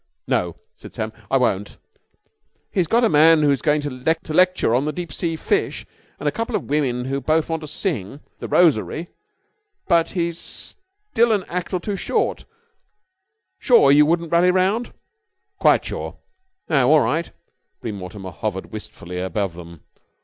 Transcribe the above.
"No," said Sam. "I won't." "He's got a man who's going to lecture on deep sea fish and a couple of women who both want to sing 'The Rosary' but he's still an act or two short. Sure you won't rally round?" "Quite sure." "Oh, all right." Bream Mortimer hovered wistfully above them.